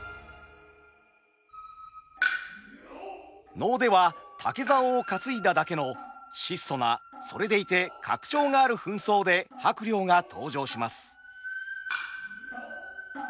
能では竹竿を担いだだけの質素なそれでいて格調がある扮装で伯了が登場します。